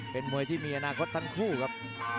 เป็นมวยที่มีอนาคตทั้งคู่ครับ